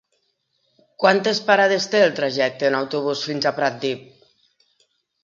Quantes parades té el trajecte en autobús fins a Pratdip?